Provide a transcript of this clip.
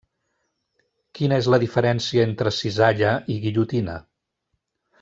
Quina és la diferència entre Cisalla i Guillotina?